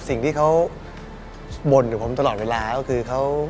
สิ่งที่เขาบ่นอยู่ผมตลอดเวลาก็คือ